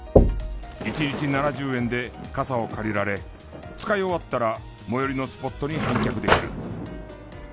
１日７０円で傘を借りられ使い終わったら最寄りのスポットに返却できる。